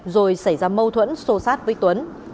rồi xảy ra mâu thuẫn sô sát với tuấn